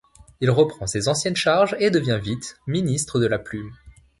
Il reprend ses anciennes charges et devient vite ministre de la Plume.